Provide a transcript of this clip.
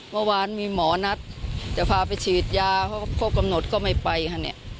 เมื่อวานมีหมอนัดจะพาไปฉีดยาเพราะครบกำหนดก็ไม่ไปค่ะเนี่ย